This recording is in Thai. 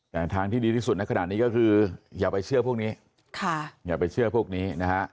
แต่ทางที่ดีที่สุดขนาดนี้ก็คืออย่าไปเชื่อพวกนี้